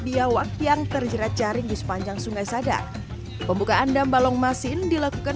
diawak yang terjerat jaring di sepanjang sungai sadar pembukaan dam balong masin dilakukan